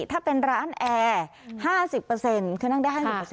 ถ้าเป็นร้านแอร์๕๐คือนั่งได้๕๐